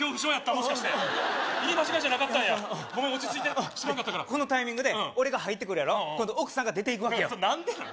もしかして言い間違いじゃなかったんやゴメン落ち着いて知らんかったからこのタイミングで俺が入ってくるやろ今度奥さんが出ていくわけよいやそれ何でなん？